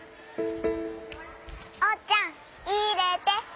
おうちゃんいれて！